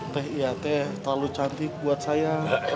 teh iya teh terlalu cantik buat saya